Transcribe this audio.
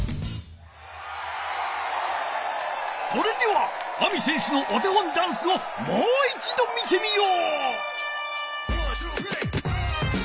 それではＡＭＩせんしゅのお手本ダンスをもういちど見てみよう。